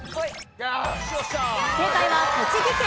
正解は栃木県。